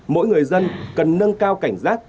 mỗi người dân cần nâng cao cảnh giác